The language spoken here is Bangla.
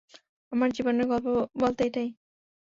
আমার জীবনের গল্প বলতে এটাই।